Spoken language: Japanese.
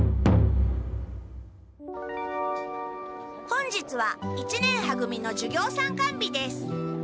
本日は一年は組の授業参観日です